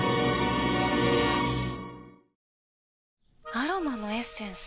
アロマのエッセンス？